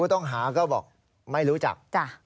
ต้องหาก็บอกไม่รู้จัก